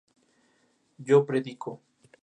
yo predico